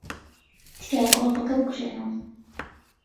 تکایە گڵۆپەکە بکوژێنەوە.